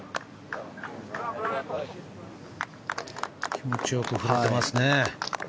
気持ちよく振ってますね。